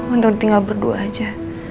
untuk tinggal berdua aja